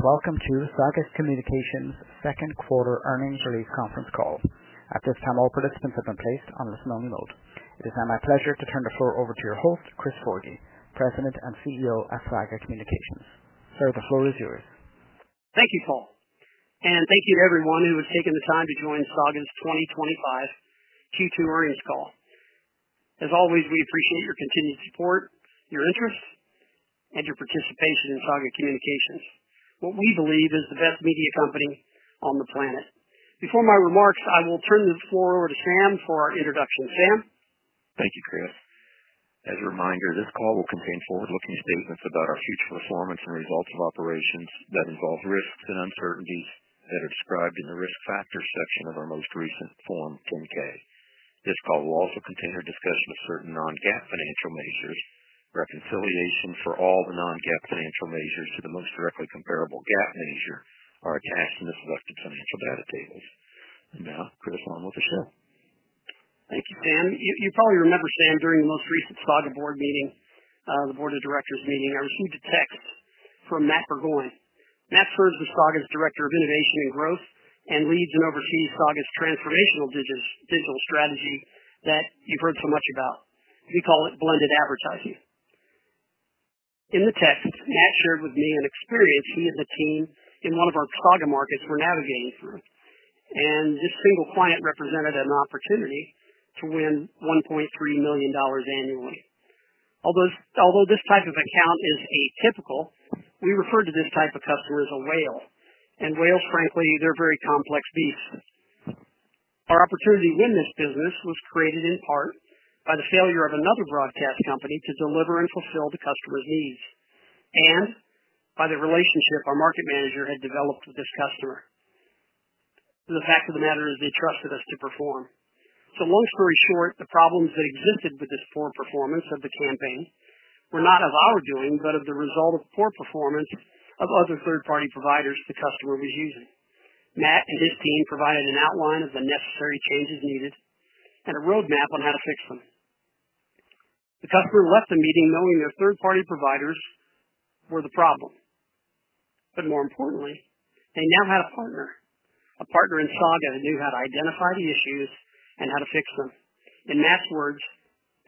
Welcome to Saga Communications' Second Quarter Earnings Release Conference Call. At this time, all participants have been placed on listen-only mode. It is now my pleasure to turn the floor over to your host, Chris Forgy, President and CEO at Saga Communications. Sir, the floor is yours. Thank you, Paul. Thank you to everyone who has taken the time to join Saga Communications' 2025 Q2 Earnings Call. As always, we appreciate your continued support, your interest, and your participation in Saga Communications, which we believe is the best media company on the planet. Before my remarks, I will turn the floor over to Sam for our introduction. Sam? Thank you, Chris. As a reminder, this call will contain forward-looking statements about our future performance and results of operations that involve risks and uncertainties that are described in the risk factors section of our most recent Form 10-K. This call will also contain or discuss certain non-GAAP financial measures. Reconciliations for all the non-GAAP financial measures to the most directly comparable GAAP measure are attached in the selected financial data table. Now, Chris, on with the show. Thank you, Sam. You probably remember, Sam, during the most recent Saga’s board meeting, the board of directors meeting, I received a text from Matt Burgoyne. Matt served as Saga's Director of Innovation and Growth and leads and oversees Saga's transformational digital strategy that you've heard so much about. We call it blended advertising. In the text, Matt shared with me an experience he and the team in one of our Saga markets were navigating through. This single client represented an opportunity to win $1.3 million annually. Although this type of account is atypical, we refer to this type of customer as a whale. Whales, frankly, are very complex beasts. Our opportunity to win this business was created in part by the failure of another broadcast company to deliver and fulfill the customer's needs and by the relationship our market manager had developed with this customer. The fact of the matter is they trusted us to perform. Long story short, the problems that existed with the poor performance of the campaign were not of our doing, but the result of poor performance of other third-party providers the customer was using. Matt and his team provided an outline of the necessary changes needed and a roadmap on how to fix them. The customer left the meeting knowing their third-party providers were the problem. More importantly, they now had a partner, a partner in Saga that knew how to identify the issues and how to fix them. In Matt's words,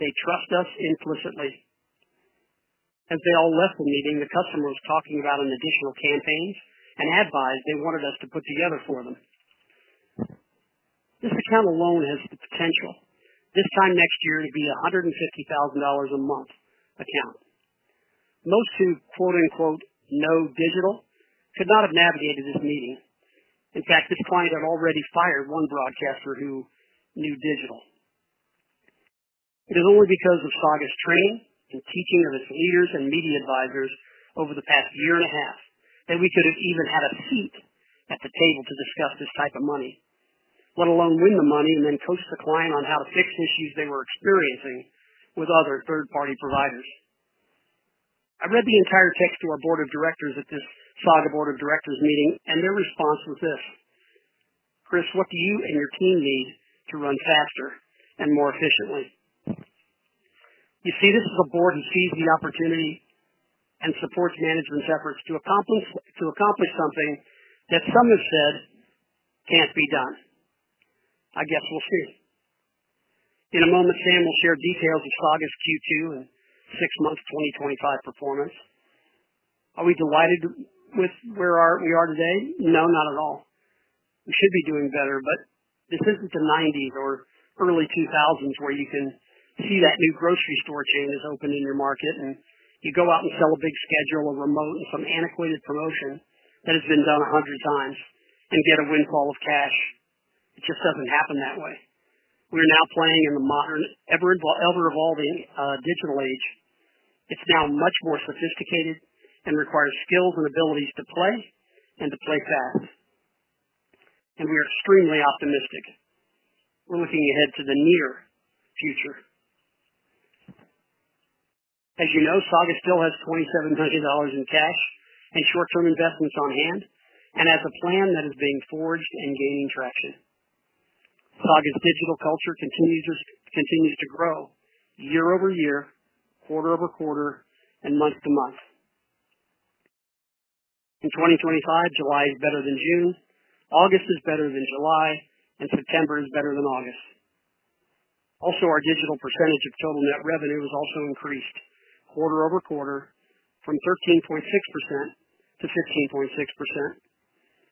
"They trust us implicitly." As they all left the meeting, the customer was talking about an additional campaign and ad buy they wanted us to put together for them. This account alone has the potential this time next year to be a $150,000 a month account. Most who "know digital" could not have navigated this meeting. In fact, this client had already fired one broadcaster who knew digital. It is only because of Saga's training and teaching of its leaders and media advisors over the past year and a half that we could have even had a seat at the table to discuss this type of money, let alone win the money and then coach the client on how to fix issues they were experiencing with other third-party providers. I read the entire text to our board of directors at this Saga’s board of directors meeting, and their response was this: "Chris, what do you and your team need to run faster and more efficiently?" You see, this is a board who sees the opportunity and supports management's efforts to accomplish something that some have said can't be done. I guess we'll see. In a moment, Sam will share details of Saga's Q2 and six months' 2025 performance. Are we delighted with where we are today? No, not at all. We should be doing better, but this isn't the 1990s or early 2000s where you can see that new grocery store chain is opening your market and you go out and sell a big schedule of remote and some antiquated promotion that has been done 100 times and get a windfall of cash. It just doesn't happen that way. We're now playing in the modern, ever-evolving digital age. It's now much more sophisticated and requires skills and abilities to play and to play fast. We are extremely optimistic. We're looking ahead to the near future. As you know, Saga still has $27 million in cash and short-term investments on hand and has a plan that is being forged and gaining traction. Saga's digital culture continues to grow year-over-year, quarter-over-quarter, and month-to-month. In 2025, July is better than June, August is better than July, and September is better than August. Also, our digital percentage of total net revenue has also increased quarter-over-quarter from 13.6%-15.6%.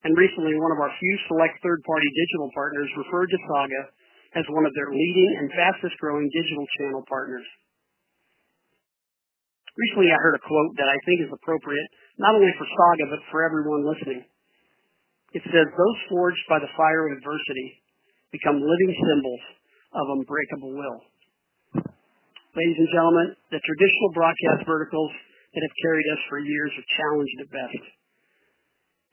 Recently, one of our huge select third-party digital partners referred to Saga as one of their leading and fastest-growing digital channel partners. Recently, I heard a quote that I think is appropriate not only for Saga but for everyone listening. It says, "Those forged by the fire of adversity become living symbols of unbreakable will." Ladies and gentlemen, the traditional broadcast verticals that have carried us for years have challenged the best.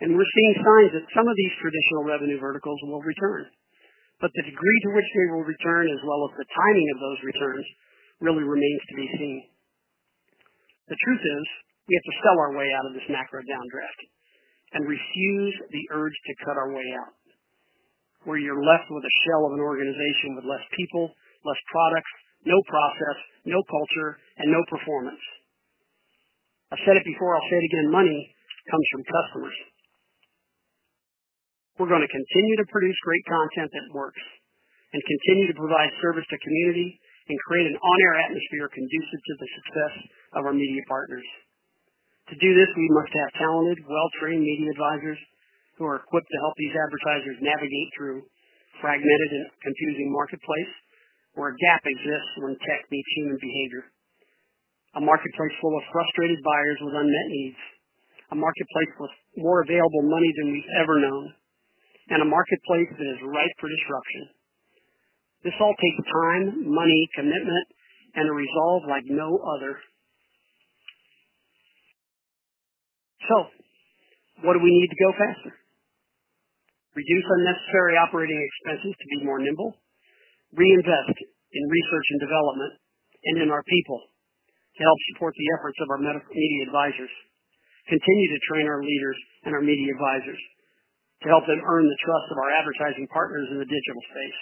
We're seeing signs that some of these traditional revenue verticals will return. The degree to which they will return, as well as the timing of those returns, really remains to be seen. The truth is we have to sell our way out of this macro-downdraft and refuse the urge to cut our way out, where you're left with a shell of an organization with less people, less product, no process, no culture, and no performance. I've said it before. I'll say it again. Money comes from customers. We're going to continue to produce great content that works and continue to provide service to the community and create an on-air atmosphere conducive to the success of our media partners. To do this, we must have talented, well-trained media advisors who are equipped to help these advertisers navigate through a fragmented and confusing marketplace where GAAP exists when tech meets human behavior, a marketplace full of frustrated buyers with unmet needs, a marketplace with more available money than ever known, and a marketplace that is ripe for disruption. This all takes time, money, commitment, and a resolve like no other. What do we need to go faster? Reduce unnecessary operating expenses to be more nimble, reinvest in research and development, and in our people to help support the efforts of our media advisors, continue to train our leaders and our media advisors to help them earn the trust of our advertising partners in the digital space,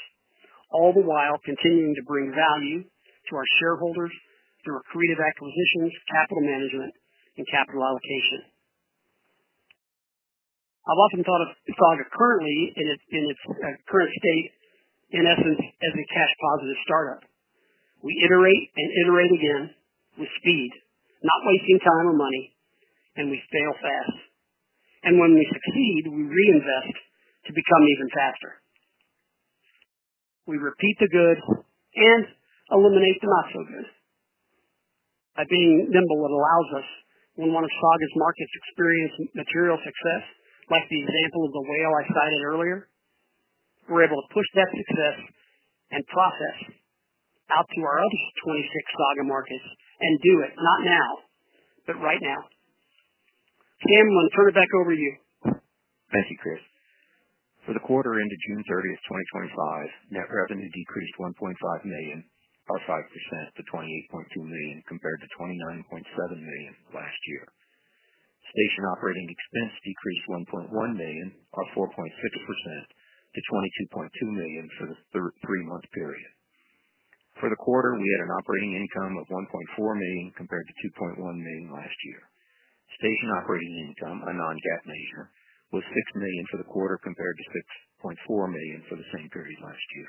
all the while continuing to bring value to our shareholders through accretive acquisitions, capital management, and capital allocation. I've often thought of Saga currently in its current state, in essence, as a cash-positive startup. We iterate and iterate again with speed, not wasting time or money, and we fail fast. When we succeed, we reinvest to become even faster. We repeat the good and eliminate the not-so-good. By being nimble, it allows us, when one of Saga's markets experiences material success, like the example of the whale I cited earlier, we're able to push that success and process out to our other 26 Saga Communications markets and do it, not now, but right now. Sam, I'm going to turn it back over to you. Thank you, Chris. For the quarter ended June 30, 2025, net revenue decreased $1.5 million, up 5% to $28.2 million compared to $29.7 million last year. Station operating expense decreased $1.1 million, up 4.5% to $22.2 million for the three-month period. For the quarter, we had an operating income of $1.4 million compared to $2.1 million last year. Station operating income, a non-GAAP measure, was $6 million for the quarter compared to $6.4 million for the same period last year.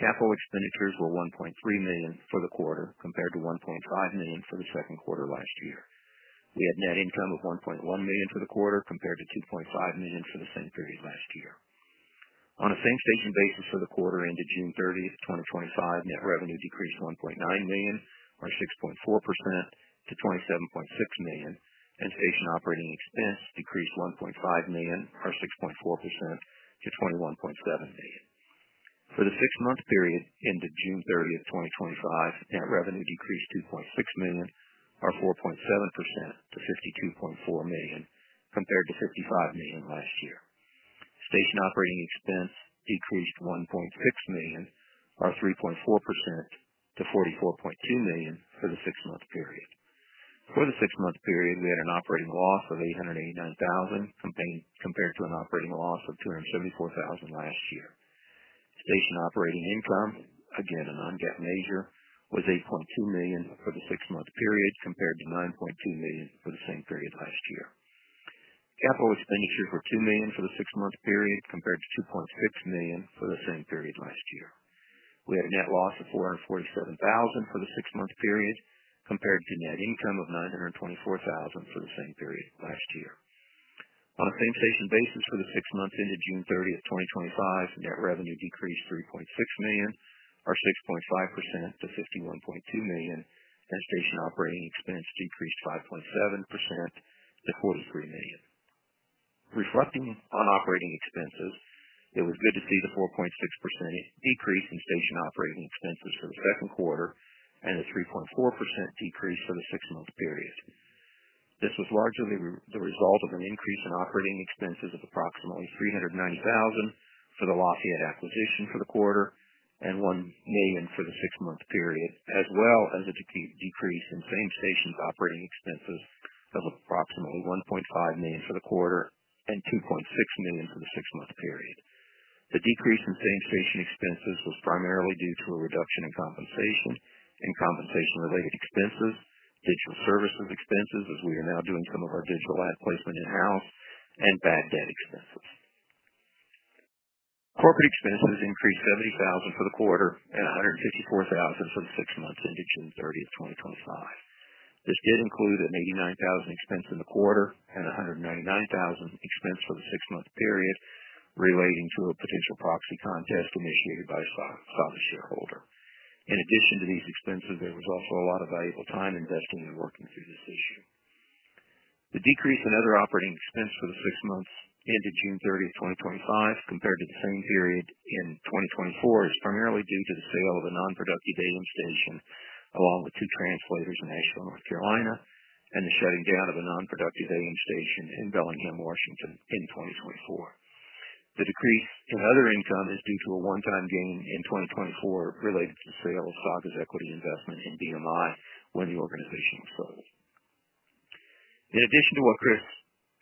Capital expenditures were $1.3 million for the quarter compared to $1.5 million for the second quarter last year. We had a net income of $1.1 million for the quarter compared to $2.5 million for the same period last year. On a same-station basis for the quarter ended June 30, 2025, net revenue decreased $1.9 million, or 6.4%, to $27.6 million, and station operating expense decreased $1.5 million, or 6.4%, to $21.7 million. For the six-month period ended June 30, 2025, net revenue decreased $2.6 million, or 4.7%, to $52.4 million compared to $55 million last year. Station operating expense decreased $1.6 million, or 3.4%, to $44.2 million for the six-month period. For the six-month period, we had an operating loss of $889,000 compared to an operating loss of $274,000 last year. Station operating income, again, a non-GAAP measure, was $8.2 million for the six-month period compared to $9.2 million for the same period last year. Capital expenditures were $2 million for the six-month period compared to $2.6 million for the same period last year. We had a net loss of $447,000 for the six-month period compared to a net income of $924,000 for the same period last year. On a same-station basis for the six months ended June 30, 2025, net revenue decreased $3.6 million, or 6.5%, to $51.2 million, and station operating expense decreased 5.7% to $43 million. Reflecting on operating expenses, it was good to see the 4.6% decrease in station operating expenses for the second quarter and the 3.4% decrease for the six-month period. This was largely the result of an increase in operating expenses of approximately $390,000 for the Lafayette acquisition for the quarter and $1 million for the six-month period, as well as a decrease in paying station operating expenses of approximately $1.5 million for the quarter and $2.6 million for the six-month period. The decrease in paying station expenses was primarily due to a reduction in compensation and compensation-related expenses, digital services expenses, as we are now doing some of our digital ad placement in-house, and bad debt expenses. Corporate expenses increased $70,000 for the quarter and $154,000 for the six months ended June 30, 2025. This did include an $89,000 expense in the quarter and $199,000 expense for the six-month period relating to a potential proxy contest initiated by a Saga shareholder. In addition to these expenses, there was also a lot of valuable time invested in working through this issue. The decrease in other operating expenses for the six months ended June 30, 2025, compared to the same period in 2024, is primarily due to the sale of a non-productive alien station along with two translators in Asheville, North Carolina, and the shutting down of a non-productive alien station in Bellingham, Washington in 2024. The decrease in other income is due to a one-time gain in 2024 related to the sale of Saga's equity investment in BMI when the organization was closed. In addition to what Chris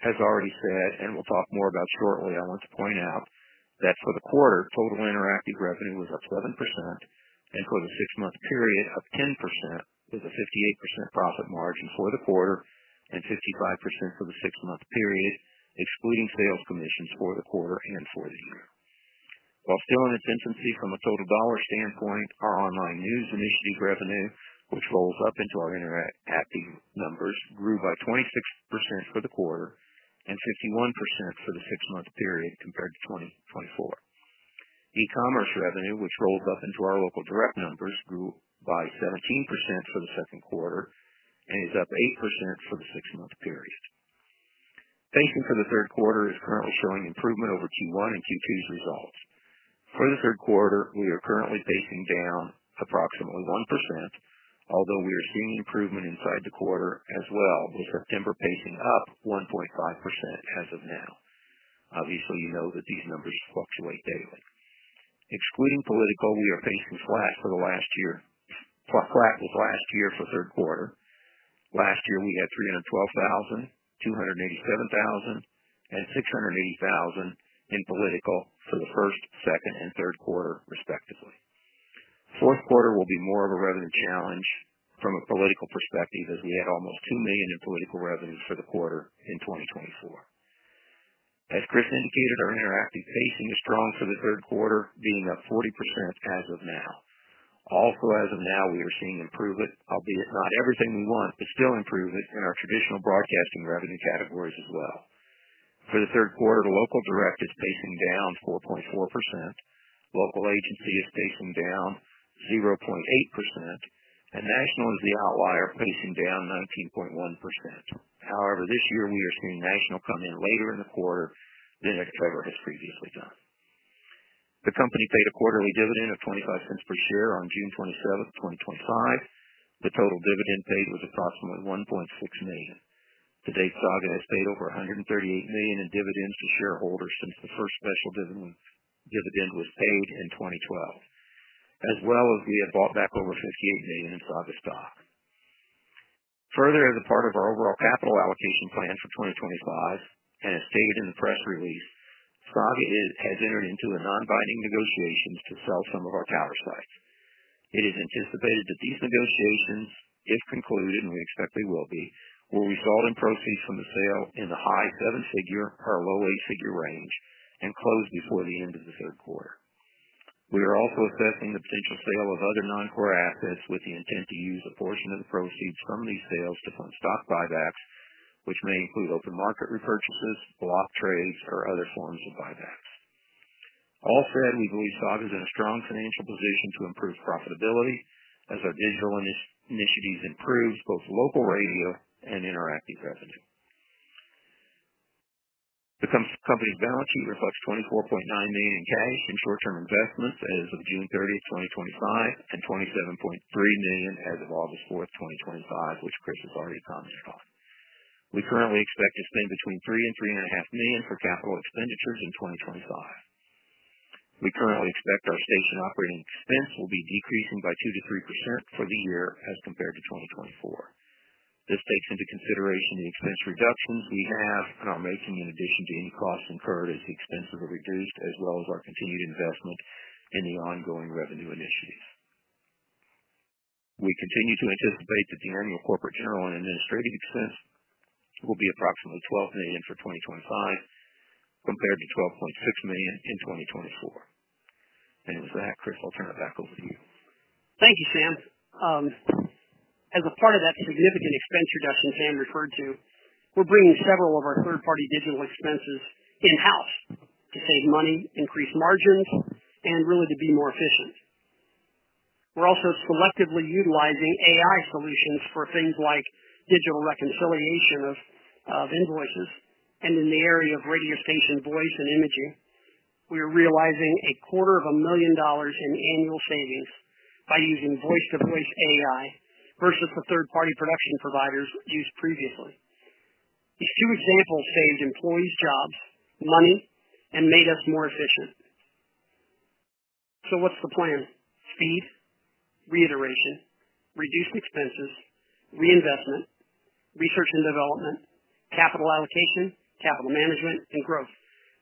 has already said and we'll talk more about shortly, I want to point out that for the quarter, total interactive revenue was up 7%, and for the six-month period, up 10%, with a 58% profit margin for the quarter and 55% for the six-month period, excluding sales commissions for the quarter and for the year. While still in a decency from a total dollar standpoint, our online news initiative revenue, which rolls up into our interactive numbers, grew by 26% for the quarter and 51% for the six-month period compared to 2024. E-commerce revenue, which rolls up into our local direct numbers, grew by 17% for the second quarter and is up 8% for the six-month period. Pacing for the third quarter is currently showing improvement over Q1 and Q2's results. For the third quarter, we are currently pacing down approximately 1%, although we are seeing improvement inside the quarter as well, with September pacing up 1.5% as of now. Obviously, you know that these numbers fluctuate daily. Excluding political, we are pacing flat with last year for the third quarter. Last year, we had $312,000, $287,000, and $680,000 in political for the first, second, and third quarter, respectively. The fourth quarter will be more of a revenue challenge from a political perspective, as we had almost $2 million in political revenues for the quarter in 2024. As Chris indicated, our interactive pacing is strong for the third quarter, being up 40% as of now. Also, as of now, we are seeing improvement, albeit not everything we want, but still improvement in our traditional broadcasting revenue categories as well. For the third quarter, the local direct is pacing down 4.4%, local agency is pacing down 0.8%, and national is the outlier, pacing down 19.1%. However, this year, we are seeing national come in later in the quarter than it ever has previously done. The company paid a quarterly dividend of $0.25 per share on June 27, 2025. The total dividend paid was approximately $1.6 million. Today's Saga has paid over $138 million in dividends to shareholders since the first special dividend was paid in 2012, as well as we have bought back over $58 million in Saga stock. Further, as a part of our overall capital allocation plan for 2025, and as stated in the press release, Saga has entered into a non-binding negotiation to sell some of our tower sites. It is anticipated that these negotiations, if concluded, and we expect they will be, will result in proceeds from the sale in the high seven-figure or low eight-figure range and close before the end of the third quarter. We are also assessing the potential sale of other non-core assets with the intent to use a portion of the proceeds from these sales to fund stock buybacks, which may include open market repurchases, block trades, or other forms of buybacks. All said, we believe Saga is in a strong financial position to improve profitability as our digital initiatives improve both local radio and interactive revenue. The company's balance sheet reflects $24.9 million in capital in short-term investments as of June 30, 2025, and $27.3 million as of August 4, 2025, which Chris has already commented on. We currently expect to spend between $3 million and $3.5 million for capital expenditures in 2025. We currently expect our station operating expense will be decreasing by 2%-3% for the year as compared to 2024. This takes into consideration the expense reductions we are making in addition to any costs incurred as the expenses are reduced, as well as our continued investment in the ongoing revenue initiatives. We continue to anticipate that the annual corporate general and administrative expense will be approximately $12 million for 2025 compared to $12.6 million in 2024. Chris, I'll turn it back over to you. Thank you, Sam. As a part of that significant expense reduction Sam referred to, we're bringing several of our third-party digital expenses in-house to save money, increase margins, and really to be more efficient. We're also selectively utilizing AI solutions for things like digital reconciliation of invoices. In the area of radio stations and voice and imaging, we are realizing $250,000 in annual savings by using voice-to-voice AI versus the third-party production providers used previously. A true example saves employees' jobs, money, and made us more efficient. What's the plan? Speed, reiteration, reduced expenses, reinvestment, research and development, capital allocation, capital management, and growth.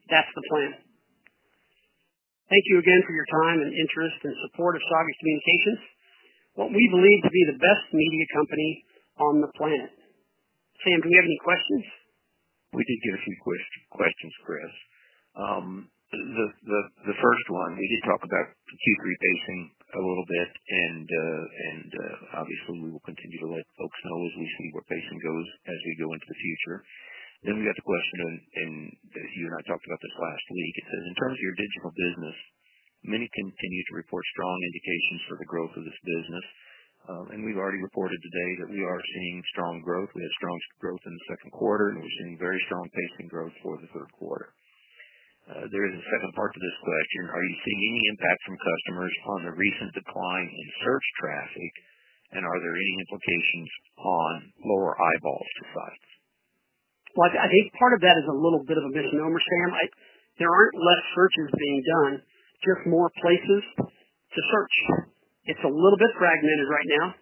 That's the plan. Thank you again for your time and interest and support of Saga Communications, what we believe to be the best media company on the planet. Sam, do you have any questions? We did get a few questions, Chris. The first one, we did talk about Q3 pacing a little bit, and obviously, we will continue to let folks know as we see where pacing goes as we go into the future. We got the question in this year, and I talked about this last week. It says, "In terms of your digital business, many continue to report strong indications for the growth of this business." We've already reported today that we are seeing strong growth. We had strong growth in the second quarter and we're seeing very strong pacing growth for the first quarter. There is a second part to this question. "Are you seeing any impact from customers on the recent decline in search traffic, and are there any implications on lower eyeballs to sites?". I think part of that is a little bit of a misnomer, Sam. There aren't less searches being done, just more places to search. It's a little bit fragmented right now.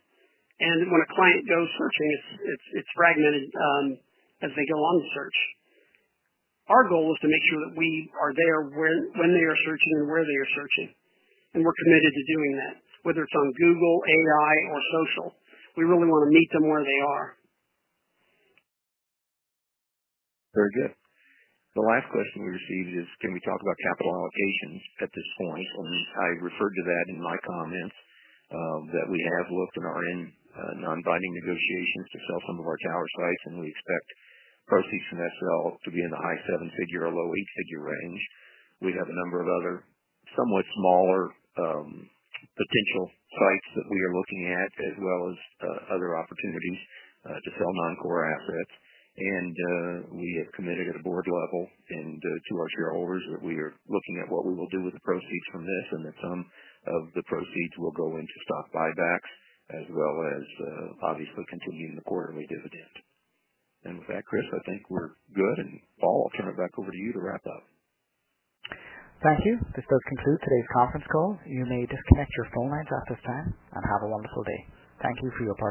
When a client goes searching, it's fragmented as they go on the search. Our goal is to make sure that we are there when they are searching and where they are searching. We're committed to doing that, whether it's on Google, AI, or social. We really want to meet them where they are. Very good. The last question we received is, "Can we talk about capital allocations at this point?" I referred to that in my comments that we have looked in our non-binding negotiations to sell some of our tower sites, and we expect proceeds from that sale to be in the high seven-figure or low eight-figure range. We have a number of other somewhat smaller potential sites that we are looking at, as well as other opportunities to sell non-core assets. We have committed at a board level and to our shareholders that we are looking at what we will do with the proceeds from this and that some of the proceeds will go into stock buybacks, as well as obviously continuing the quarterly dividend. With that, Chris, I think we're good. Paul, I'll turn it back over to you to wrap up. Thank you. This does conclude today's conference call. You may disconnect your phone lines at this time and have a wonderful day. Thank you for your time.